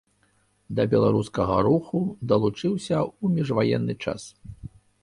Да беларускага руху далучыўся ў міжваенны час.